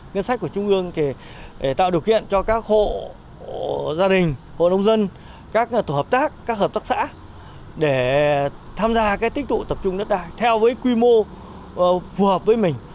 ngân sách của trung ương để tạo điều kiện cho các hộ gia đình hộ nông dân các tổ hợp tác các hợp tác xã để tham gia tích tụ tập trung đất đai theo với quy mô phù hợp với mình